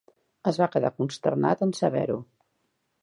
Es va quedar consternat en saber-ho.